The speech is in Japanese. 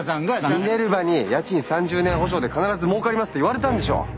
ミネルヴァに「家賃３０年保証で必ずもうかります」って言われたんでしょ。